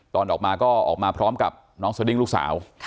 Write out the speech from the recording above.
ตอนออกมาก็ออกมาพร้อมกับน้องสดิ้งลูกสาว